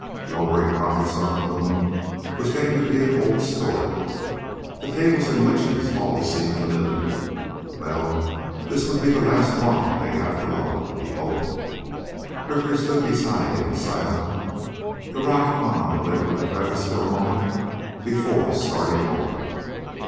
Lowering rockets on the moon was getting to be an old story. The cables and winches all seemed familiar. Well, this would be the last one they'd have to lower. He hoped. Richter stood beside him, silent. The rocket hung on the lip of the crevice for a moment before starting over.